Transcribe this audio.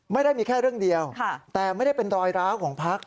ไม่ได้มีแค่เรื่องเดียวแต่ไม่ได้เป็นรอยร้าวของพัก